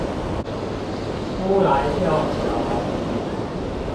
烏來吊橋